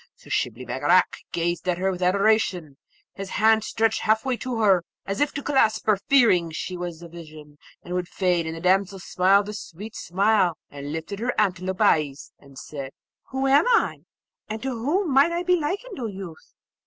So Shibli Bagarag gazed at her with adoration, his hands stretched half way to her as if to clasp her, fearing she was a vision and would fade; and the damsel smiled a sweet smile, and lifted her antelope eyes, and said, 'Who am I, and to whom might I be likened, O youth?'